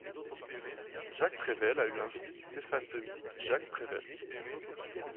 Jacques Prevel a eu un fils Stéphane Dominique Jacques Prevel.